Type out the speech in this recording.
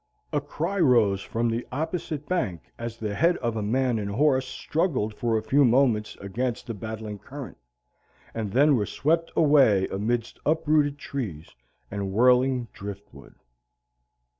A cry rose from the opposite bank as the head of a man and horse struggled for a few moments against the battling current, and then were swept away amidst uprooted trees and whirling drift wood.